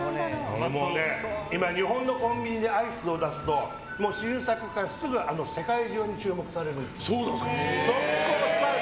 今、日本のコンビニでアイスを出すと世界中から注目されるんですよ。